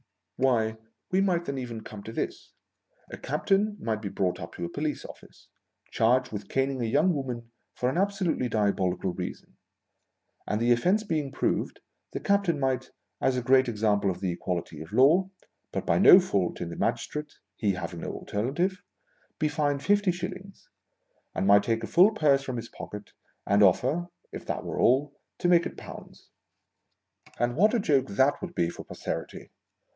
Why, we might then even come to this. A " captain " might be brought up to a Police Office, charged with caning a young woman for an absolutely diabolical reason ; and the offence being proved, the " captain" might, as a great example of the equality of the law, (but by no fault in the magistrate, he having no alternative) be fined fifty shillings, and might take a full purse from his pocket and offer, if that were all, to make it pounds. And what a joke that would be for Posterity